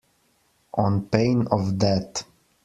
On pain of death.